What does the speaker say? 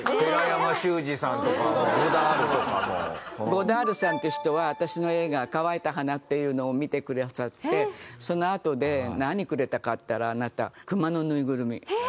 ゴダールさんっていう人は私の映画『乾いた花』っていうのを見てくださってそのあとで何くれたかっていったらあなた。